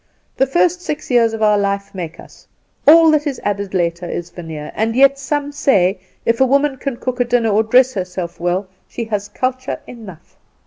The first six years of our life make us; all that is added later is veneer; and yet some say, if a woman can cook a dinner or dress herself well she has culture enough.